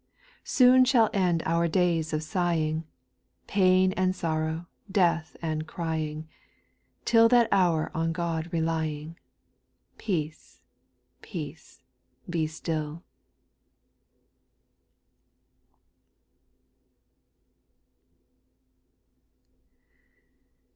Soon shall end our days of sighing. Pain and sorrow, death and crying, Till that hour on God relying, — Peace, peace, be still.